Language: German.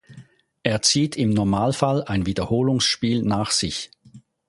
Er zieht im Normalfall ein Wiederholungsspiel nach sich.